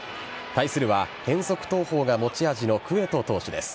対するは変則投法が持ち味のクエト投手です。